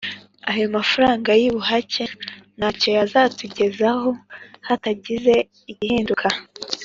ayo mafaranga y’ ubuhake ntacyo yazatugezeho hatagize igihinduka